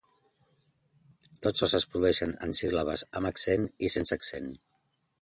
Tots dos es produeixen en síl·labes amb accent i sense accent.